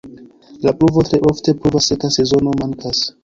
La pluvo tre ofte pluvas, seka sezono mankas.